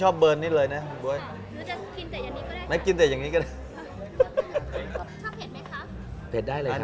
ชอบเผ็ดมากก็มีชิคกี้พายด่วน